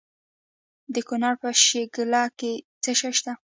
د کونړ په شیګل کې څه شی شته؟